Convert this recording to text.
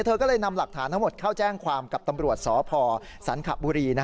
เธอก็เลยนำหลักฐานทั้งหมดเข้าแจ้งความกับตำรวจสพสันขบุรี